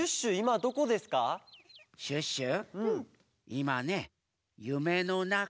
いまねゆめのなか。